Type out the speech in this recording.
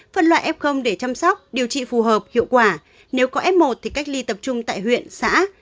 phân loại f để chăm sóc điều trị phù hợp hiệu quả nếu có f một thì cách ly tập trung tại huyện xã